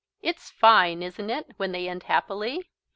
It's fine, isn't it, when they end happily?